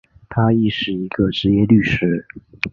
他亦是一个执业律师。